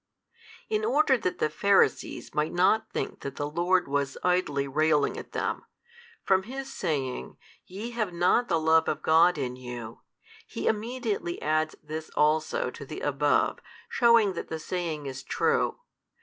In order that the Pharisees might not think that the Lord was idly railing at them, from His saying, Ye have not the love of God in you, He immediately adds this also to the above, shewing that the saying is true.